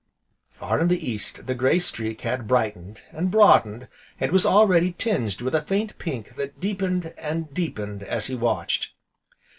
Far in the East the grey streak had brightened, and broadened, and was already tinged with a faint pink that deepened, and deepened, as he watched.